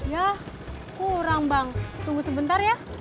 ya kurang bang tunggu sebentar ya